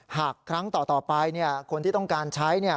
หากครั้งต่อไปคนที่ต้องการใช้